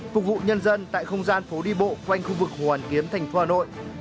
phục vụ nhân dân tại không gian phố đi bộ quanh khu vực hoàn kiến thành phố hà nội